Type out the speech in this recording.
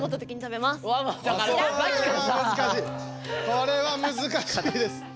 これはむずかしいです。